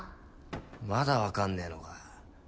まだ分かんねぇのか。